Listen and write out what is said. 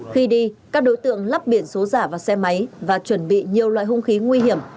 khi đi các đối tượng lắp biển số giả vào xe máy và chuẩn bị nhiều loại hung khí nguy hiểm